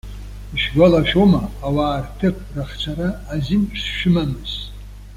Ишәгәалашәома, ауаа рҭыԥ рахцара азин шшәымамыз?